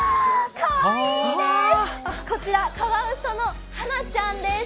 こちらカワウソのハナちゃんです。